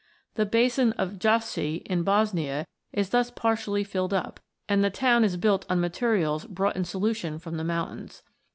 The basin of Jajce in Bosnia is thus partially filled up, and the town is built on materials brought in solution from the .mountains.